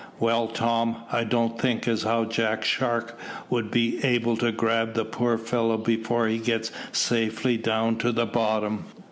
"Well, Tom, I don't think as how Jack Shark will be able to grab the poor fellow before he gets safely down to the bottom."